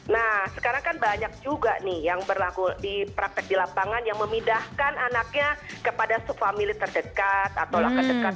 nah sekarang kan banyak juga nih yang berlaku di praktek di lapangan yang memindahkan anaknya kepada subfamilit terdekat atau langkah dekat